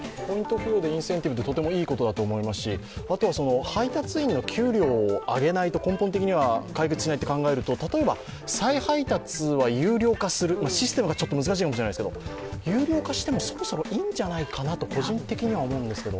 付与でインセンティブっていうのはとてもいいことだと思いますし、あとは配達員の給料を上げないと根本的には解決しないと考えると例えば再配達を有料化する、システムが難しいかもしれないですけれども有料化してもそろそろいいんじゃないかなと個人的には思うんですけど。